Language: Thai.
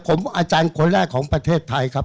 ผมอาจารย์คนแรกของประเทศไทยครับ